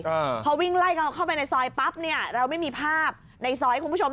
อ่าพอวิ่งไล่เขาเข้าไปในซอยปั๊บเนี้ยเราไม่มีภาพในซอยคุณผู้ชม